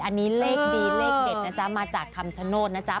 อันนี้เลขดีเลขเด็ดนะจ๊ะมาจากคำชโนธนะจ๊ะ